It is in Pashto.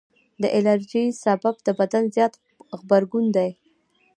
د الرجي سبب د بدن زیات غبرګون دی.